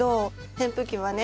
扇風機はね